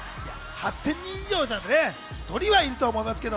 ８０００人以上だからね、１人はいると思いますけど。